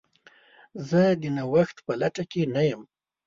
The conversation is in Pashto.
زه د نوښت په لټه کې نه یم.